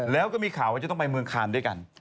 แล้วก็มีข่าวว่าจะต้องไปเมืองคานด้วยกัน